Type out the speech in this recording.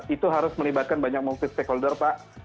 itu harus melibatkan banyak multi stakeholder pak